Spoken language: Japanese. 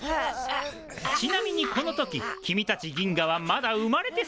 ちなみにこの時君たち銀河はまだ生まれてすらいない。